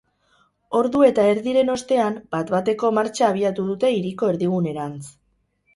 Ordu eta erdiren ostean, bat-bateko martxa abiatu dute hiriko erdigunerantz.